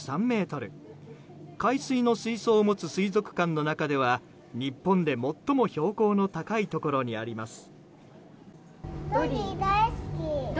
海水の水槽を持つ水族館の中では日本で最も標高の高いところにあります。